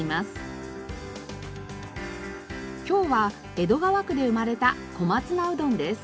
今日は江戸川区で生まれた小松菜うどんです。